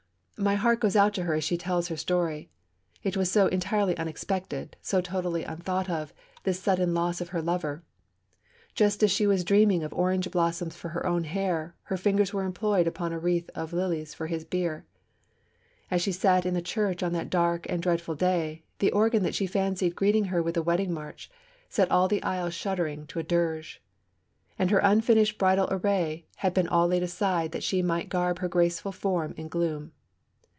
My heart goes out to her as she tells her story. It was so entirely unexpected, so totally unthought of, this sudden loss of her lover. Just as she was dreaming of orange blossoms for her own hair, her fingers were employed upon a wreath of lilies for his bier. As she sat in the church on that dark and dreadful day, the organ that she fancied greeting her with a wedding march set all the aisles shuddering to a dirge. And her unfinished bridal array had all been laid aside that she might garb her graceful form in gloom.